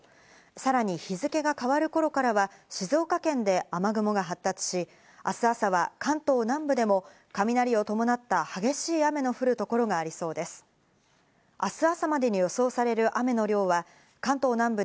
さらに日付が変わる頃からは静岡県で雨雲が発達し、明日朝は関東南部でも雷を伴った激しい雨の降る所がありそうです。